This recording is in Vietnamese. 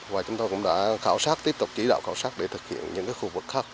và chúng tôi cũng đã khảo sát tiếp tục chỉ đạo khảo sát để thực hiện những khu vực khác